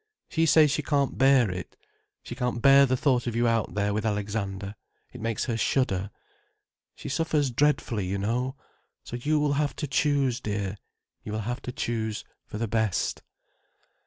She says she can't bear it—she can't bear the thought of you out there with Alexander. It makes her shudder. She suffers dreadfully, you know. So you will have to choose, dear. You will have to choose for the best."